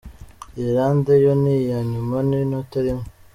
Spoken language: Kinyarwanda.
Ireland yo ni iya nyuma n'inota rimwe.